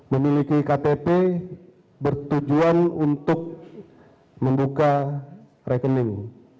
memiliki ktp bertujuan untuk membuka rekening